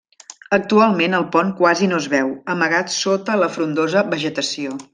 Actualment el pont quasi no es veu, amagat sota la frondosa vegetació.